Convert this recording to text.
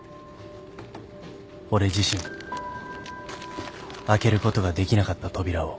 俺自身開けることができなかった扉を